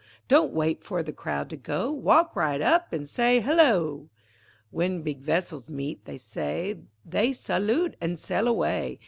Don't wait for the crowd to go, Walk right up an' say "hullo!" W'en big vessels meet, they say, They saloot an' sail away.